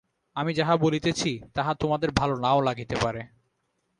আমি যাহা বলিতেছি, তাহা তোমাদের ভাল নাও লাগিতে পারে।